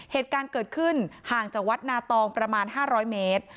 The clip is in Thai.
เหตุการณ์เกิดขึ้นห่างจากวัดนาตองประมาณ๕๐๐เมตร